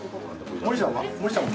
森さんは？